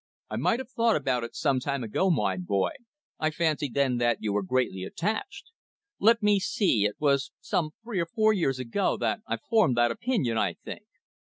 "I might have thought about it some time ago, my boy. I fancied then that you were greatly attached. Let me see, it was some three or four years ago that I formed that opinion, I think."